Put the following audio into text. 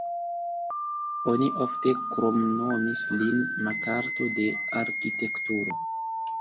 Oni ofte kromnomis lin "Makarto de arkitekturo".